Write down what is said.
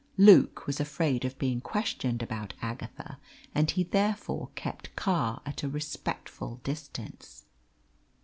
Luke was afraid of being questioned about Agatha, and he therefore kept Carr at a respectful distance.